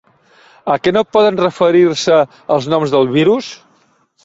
A què no poden referir-se els noms del virus?